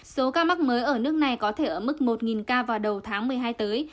số ca mắc mới ở nước này có thể ở mức một ca vào đầu tháng một mươi hai tới